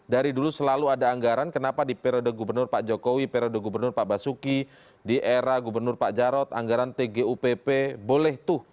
dari dulu selalu ada anggaran kenapa di periode gubernur pak jokowi periode gubernur pak basuki di era gubernur pak jarod anggaran tgupp boleh tuh